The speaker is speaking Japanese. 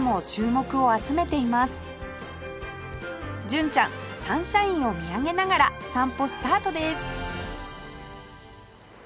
純ちゃんサンシャインを見上げながら散歩スタートです